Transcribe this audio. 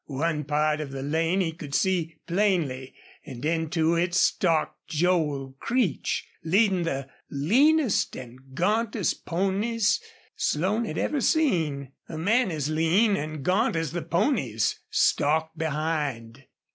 One part of the lane he could see plainly, and into it stalked Joel Creech, leading the leanest and gauntest ponies Slone had ever seen. A man as lean and gaunt as the ponies stalked behind.